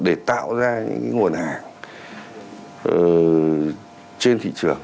để tạo ra những nguồn hàng trên thị trường